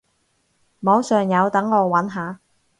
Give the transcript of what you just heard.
網上有，等我揾下